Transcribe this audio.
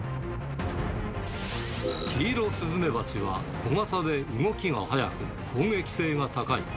キイロスズメバチは小型で動きが速く、攻撃性が高い。